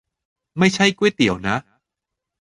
ไม่ใช่ก๋วยเตี๋ยวนะ